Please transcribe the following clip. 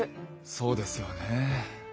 そうですよね。